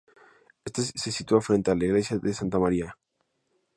Esta se sitúa frente a la Iglesia de Santa Marina.